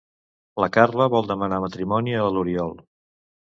La Carla vol demanar matrimoni a l'Oriol.